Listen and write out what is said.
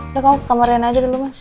udah kamu ke kamar rena aja dulu mas